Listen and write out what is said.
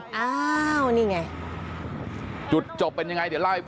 ซีนี่จากกายานจนเขาบอกว่าขับรถปากหน้าเขา